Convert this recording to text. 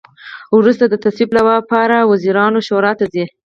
وروسته د تصویب لپاره وزیرانو شورا ته ځي.